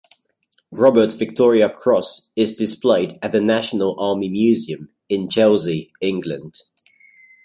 Robert's Victoria Cross is displayed at the National Army Museum in Chelsea, England.